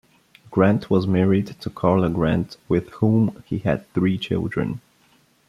Grant was married to Karla Grant with whom he had three children.